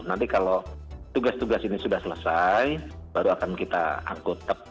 nanti kalau tugas tugas ini sudah selesai baru akan kita angkut